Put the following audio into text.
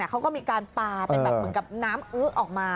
เขาก็มีการปลาเป็นแบบเหมือนกับน้ำอึ๊ออกมา